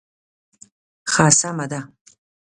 ښه سمه ده.